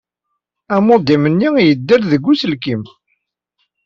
Amodem-nni yedda-d deg uselkim.